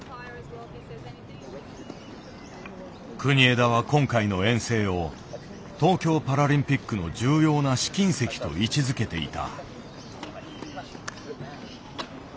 国枝は今回の遠征を東京パラリンピックの重要な試金石と位置づけていた。